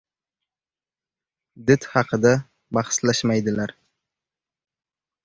Did haqida bahslashmaydilar.